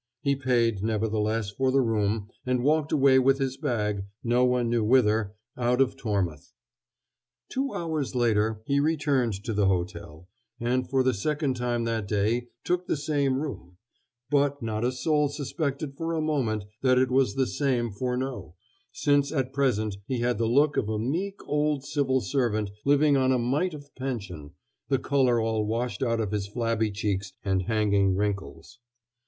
He paid, nevertheless, for the room, and walked away with his bag, no one knew whither, out of Tormouth. Two hours later he returned to the hotel, and for the second time that day took the same room, but not a soul suspected for a moment that it was the same Furneaux, since at present he had the look of a meek old civil servant living on a mite of pension, the color all washed out of his flabby cheeks and hanging wrinkles.